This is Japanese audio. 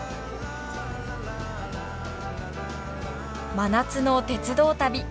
真夏の鉄道旅。